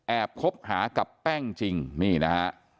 แอบคบหากับแป้งจริงนี่นะ